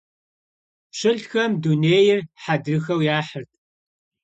ПщылӀхэм дунейр хьэдрыхэу яхьырт.